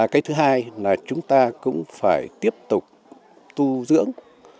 cái thứ hai là chúng ta cũng phải tiếp tục tu dưỡng